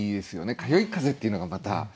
「かよいかぜ」っていうのがまた。